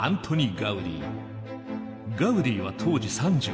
ガウディは当時３１歳。